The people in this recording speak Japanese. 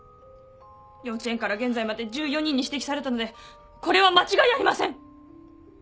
幼稚園から現在まで１４人に指摘されたのでこれは間違いありません。